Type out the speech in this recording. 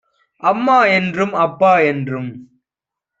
அம்மா என்றும் அப்பா என்றும்